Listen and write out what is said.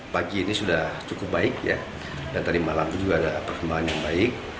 pagi ini sudah cukup baik dan tadi malam juga ada perkembangan yang baik